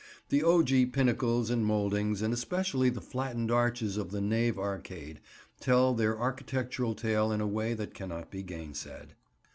The ogee pinnacles and mouldings, and especially the flattened arches of the nave arcade tell their architectural tale in a way that cannot be gainsaid.